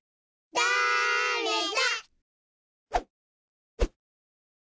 だれだ？